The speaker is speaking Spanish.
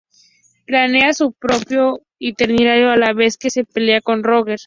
Planea su propio itinerario a la vez que se pelea con Roger.